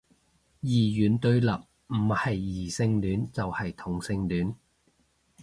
二元對立，唔係異性戀就係同性戀